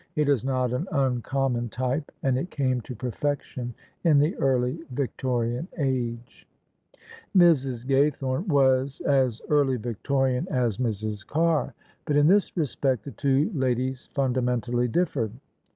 It is not an uncommon type: and It came to perfection in the early Victorian age. Mrs. Gaythome was as early Victorian as Mrs. Carr; OF ISABEL CARNABY but in this respect the two ladies fundamentally differed.